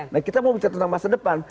nah kita mau bicara tentang masa depan